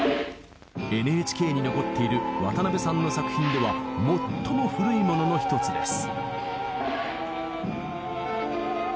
ＮＨＫに残っている渡辺さんの作品では最も古いものの一つです。